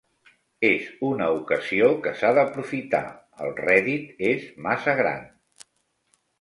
És una ocasió que s'ha d'aprofitar. El rèdit és massa gran!